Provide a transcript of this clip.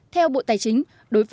theo bộ tài chính đối với lĩnh vực